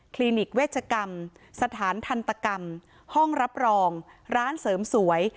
ลินิกเวชกรรมสถานทันตกรรมห้องรับรองร้านเสริมสวย